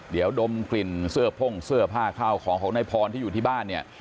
เดี๋ยวดมกลิ่นเสื้อพ่งเสื้อผ้าข้าวของของนายพรที่อยู่ที่บ้านเนี่ย